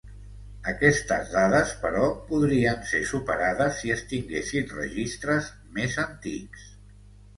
Aquestes dades, però, podrien ser superades si es tinguessin registres més antics.